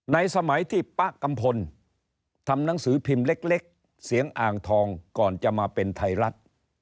สมัยที่ป๊ะกัมพลทำหนังสือพิมพ์เล็กเสียงอ่างทองก่อนจะมาเป็นไทยรัฐ